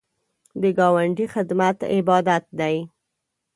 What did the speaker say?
د ګاونډي خدمت عبادت دی